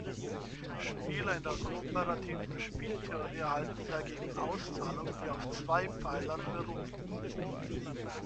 Spieler in der kooperativen Spieltheorie erhalten dagegen Auszahlungen, die auf zwei Pfeilern beruhen.